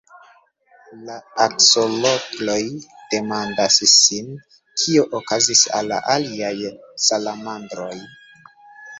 La aksolotloj demandas sin kio okazis al la aliaj salamandroj.